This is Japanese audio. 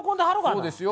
そうですよ。